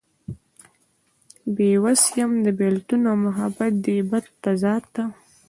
بې وس يم د بيلتون او محبت دې بد تضاد ته